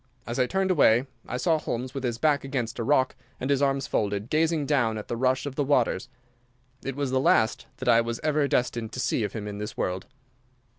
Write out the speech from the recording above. As I turned away I saw Holmes, with his back against a rock and his arms folded, gazing down at the rush of the waters. It was the last that I was ever destined to see of him in this world.